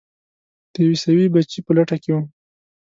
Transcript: د عیسوي بچي په لټه کې وم.